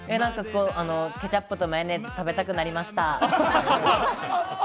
ケチャップとマヨネーズを食べたくなりました。